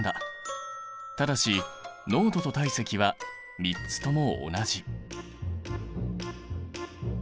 ただし濃度と体積は３つとも同じ。